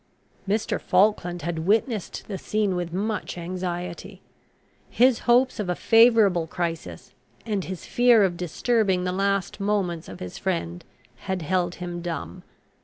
Mr. Falkland had witnessed the scene with much anxiety. His hopes of a favourable crisis, and his fear of disturbing the last moments of his friend, had held him dumb.